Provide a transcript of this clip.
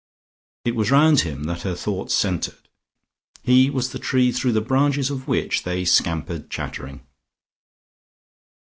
It was round him that her thoughts centred, he was the tree through the branches of which they scampered chattering.